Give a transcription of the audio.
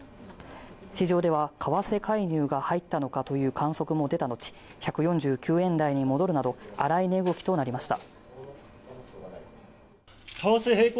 市場では為替介入が入ったのかという観測も出た後１４９円台に戻るなど荒い値動きとなりました